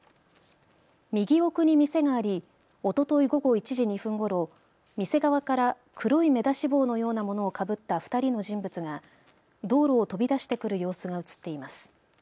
右奥に店があり、おととい午後１時２分ごろ店側から黒い目出し帽のようなものをかぶった２人の人物が道路を飛び出してくる様子が写っています。